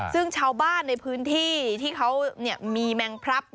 ซึ่งชาวบ้านในพื้นที่ที่เขามีแมงพลับ